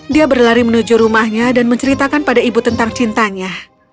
dia berlari menuju rumahnya dan menceritakan pada ibu tentang cintanya